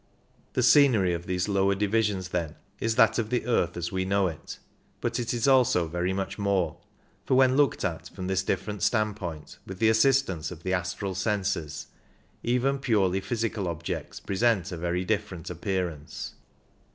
The scenery of these lower divisions, then, is that of the earth as we know it : but it is also very much more ; for when looked at from this different standpoint, with the assistance of the astral senses, even purely physical objects present a very different appearance.